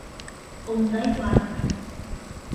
Ундай парҙар!..